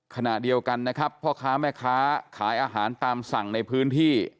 ขณะเดียวกันนะครับพ่อค้าแม่ค้าขายอาหารตามสั่งในพื้นที่